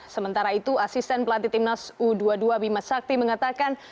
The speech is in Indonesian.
sementara itu asisten pelatih timnas u dua puluh dua bima sakti mengatakan